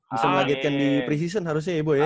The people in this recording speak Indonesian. bisa mengagetkan di preseason harusnya ya bu ya